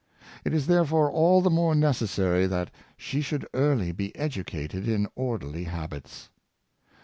It is therefore all the more necessary that she should early be educated in orderly habits.